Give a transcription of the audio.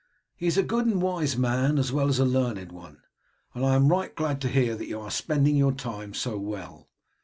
He is a good and wise man, as well as a learned one, and I am right glad to hear that you are spending your time so well.